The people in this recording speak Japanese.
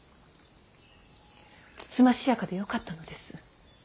つつましやかでよかったのです。